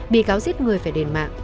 bị cáo giết người phải đền mạng